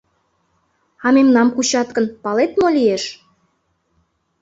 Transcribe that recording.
А мемнам кучат гын, палет мо лиеш?